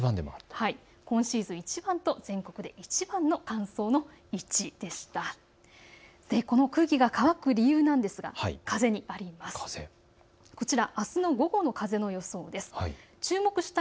今シーズいちばんと全国でいちばんの１でした。